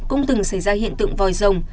cũng từng xảy ra hiện tượng vòi dòng